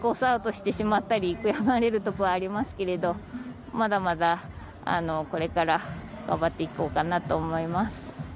アウトしてしまったり悔やまれることもありますがまだまだこれから頑張っていこうかなと思います。